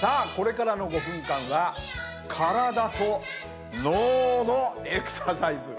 さあこれからの５分間は体と脳のエクササイズ。